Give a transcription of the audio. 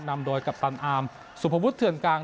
นำโดยกัปตันอาร์มสุภวุฒิเถื่อนกลาง